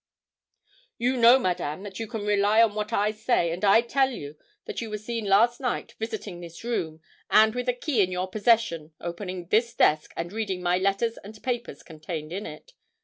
'You know, Madame, that you can rely on what I say, and I tell you that you were seen last night visiting this room, and with a key in your possession, opening this desk, and reading my letters and papers contained in it.